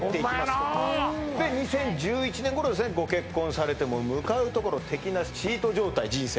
ここで２０１１年頃ですねご結婚されて向かうところ敵なしチート状態人生